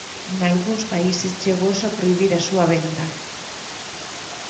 Nalgúns países chegouse a prohibir a súa venda.